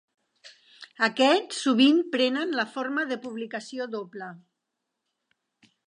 Aquest sovint prenen la forma de publicació doble.